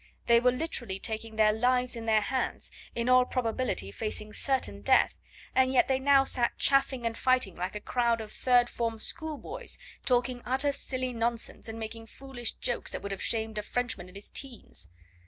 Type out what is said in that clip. They were literally taking their lives in their hands, in all probability facing certain death; and yet they now sat chaffing and fighting like a crowd of third form schoolboys, talking utter, silly nonsense, and making foolish jokes that would have shamed a Frenchman in his teens.